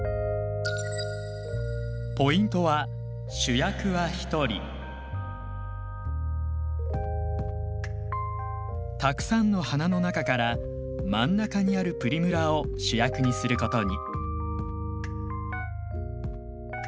ポイントはたくさんの花の中から真ん中にあるプリムラを主役にすることに。